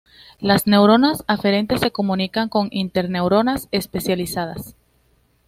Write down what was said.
Las neuronas aferentes se comunican con interneuronas especializadas.